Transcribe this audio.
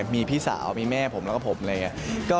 มีพี่สาวมีแม่ผมแล้วก็ผมอะไรอย่างนี้